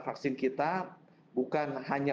vaksin kita bukan hanya